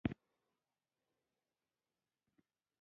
په دې کې فزیکي منابع او مالي منابع دي.